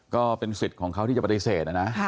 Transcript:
ก็เป็นสิทธิ์ของเขาที่จะปฏิเสธนะนะ